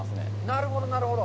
なるほど、なるほど。